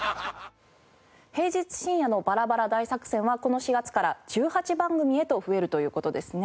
平日深夜のバラバラ大作戦はこの４月から１８番組へと増えるという事ですね。